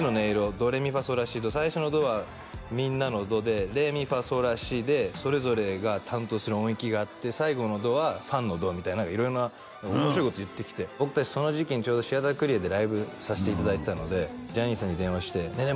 ドレミファソラシド最初の「ド」はみんなのドでレミファソラシでそれぞれが担当する音域があって最後の「ド」はファンのドみたいな色んな面白いこと言ってきて僕達その時期にちょうどシアタークリエでライブさせていただいてたのでジャニーさんに電話して「ねえねえ